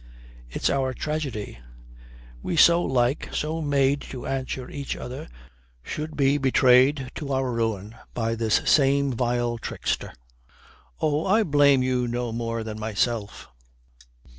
"It's our tragedy: we so like, so made to answer each other, should be betrayed to our ruin by this same vile trickster. Oh, I blame you no more than myself."